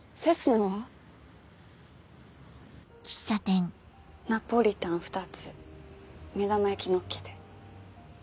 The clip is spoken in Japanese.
ナポリタン２つ目玉焼きのっけて。